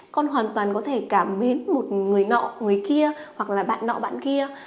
con hoàn toàn có thể cảm mến một người nọ người kia hoặc là bạn nọ bạn kia